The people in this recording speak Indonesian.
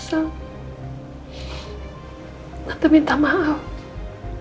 butuh waktu yang sangat lama untuk bisa cerita ini ke kamu sal